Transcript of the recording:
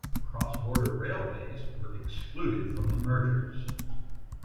Cross-border railways were excluded from the mergers.